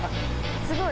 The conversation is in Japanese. すごい！